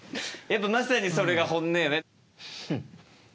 やっぱまさにそれが本音よね。